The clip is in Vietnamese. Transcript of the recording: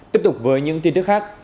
tiếp tục với những tin tức khác